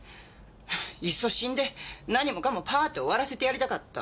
いっそ死んで何もかもパーッと終わらせてやりたかった。